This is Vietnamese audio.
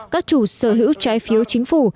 các chủ sở hữu trái phiếu chính phủ